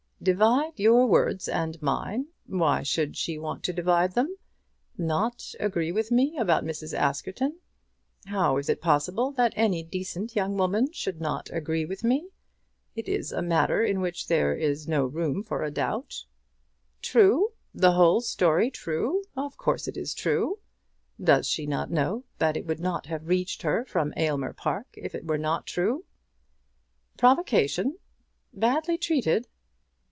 "Divide your words and mine! Why should we want to divide them? Not agree with me about Mrs. Askerton! How is it possible that any decent young woman should not agree with me! It is a matter in which there is no room for a doubt. True; the story true! Of course it is true. Does she not know that it would not have reached her from Aylmer Park if it were not true? Provocation! Badly treated!